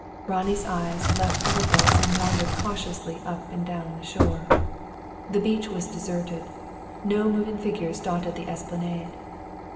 Ronnie's eyes left the ripples, and wandered cautiously up and down the shore. The beach was deserted. No moving figures dotted the esplanade.